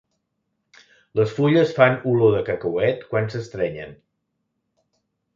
Les fulles fan olor de cacauet quan s'estrenyen.